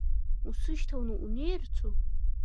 Усышьҭаланы унеирцу?